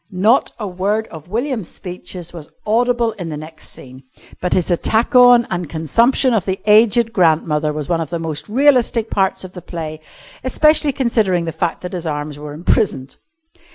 Not a word of William's speeches was audible in the next scene, but his attack on and consumption of the aged grandmother was one of the most realistic parts of the play, especially considering the fact that his arms were imprisoned.